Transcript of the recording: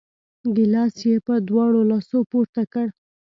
ګیلاس یې په دواړو لاسو پورته کړ!